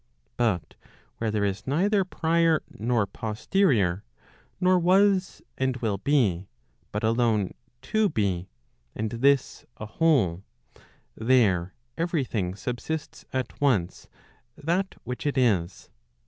But where there is neither prior nor posterior, nor was and will be, but alone fo be, and this a whole, there every thing subsists at once that which it is.